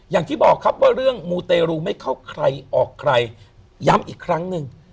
อย่างที่บอกครับว่าเรื่องมูเตรูไม่เข้าใครออกใครย้ำอีกครั้งหนึ่ง